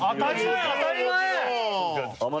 当たり前！